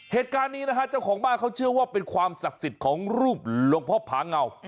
เหตุการณ์นี้นะฮะเจ้าของบ้านเขาเชื่อว่าเป็นความศักดิ์สิทธิ์ของรูปหลวงพ่อผาเงา